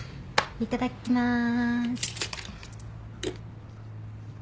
いただきまーす。